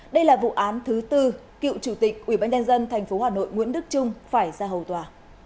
đây là vụ án thứ bốn cựu chủ tịch ubnd tp hà nội nguyễn đức trung phải ra hầu tòa